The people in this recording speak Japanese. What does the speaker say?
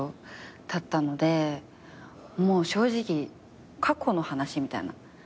もう正直過去の話みたいな。